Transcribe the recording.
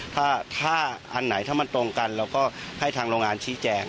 ถ้าอันไหนถ้ามันตรงกันเราก็ให้ทางโรงงานชี้แจง